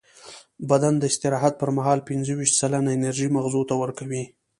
بدن د استراحت پر مهال پینځهویشت سلنه انرژي مغزو ته ورکوي.